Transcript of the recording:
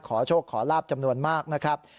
ขอโชคขอลาบจำนวนมากนะครับ